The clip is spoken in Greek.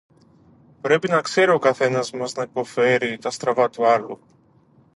Πρέπει να ξέρει ο καθένας μας να υποφέρει τα στραβά του άλλου